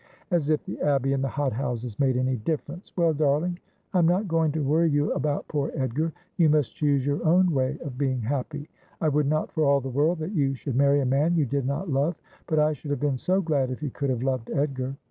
' As if the abbey and the hot houses made any difference ! Well, darling, I am not going to worry you about poor Edgar. You must choose your own way of being happy. I would not for all the world that you should marry a man you did not love ; but I should have been so glad if you could have loved Edgar.